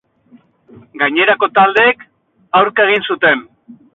Gainerako taldeek aurka egin zuten.